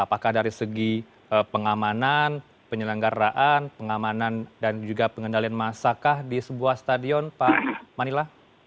apakah dari segi pengamanan penyelenggaraan pengamanan dan juga pengendalian masakah di sebuah stadion pak manila